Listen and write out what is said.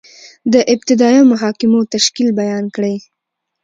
د ابتدائیه محاکمو تشکیل بیان کړئ؟